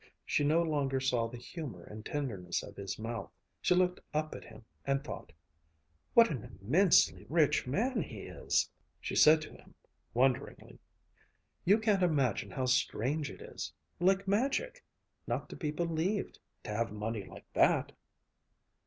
She no longer saw the humor and tenderness of his mouth. She looked up at him and thought, "What an immensely rich man he is!" She said to him wonderingly, "You can't imagine how strange it is like magic not to be believed to have money like that!"